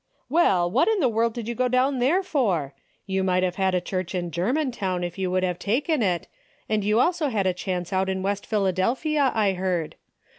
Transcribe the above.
"Well, what in the world did you go down there for ? You might have had a church in Germantown if you would have taken it, and you also had a chance out in West Philadel phia I heard.